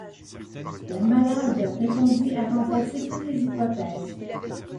La malade répondit à renverser toutes les hypothèses.